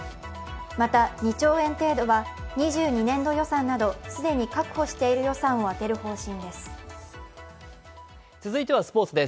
また２兆円程度は２２年度予算など、既に確保している予算をここからは「ＴＩＭＥ，」